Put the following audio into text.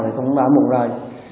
thì cũng đã ấm ụt rồi